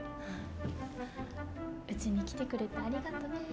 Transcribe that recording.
うちに来てくれてありがとね。